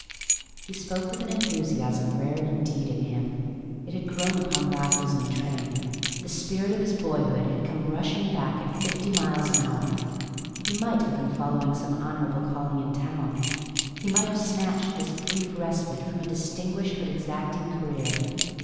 He spoke with an enthusiasm rare indeed in him: it had grown upon Raffles in the train; the spirit of his boyhood had come rushing back at fifty miles an hour. He might have been following some honorable calling in town; he might have snatched this brief respite from a distinguished but exacting career.